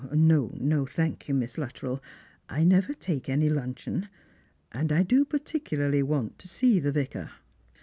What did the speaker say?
" No, thank you, Miss Luttrell. I never take any luncheon. And I do particularly want to see the Vicar."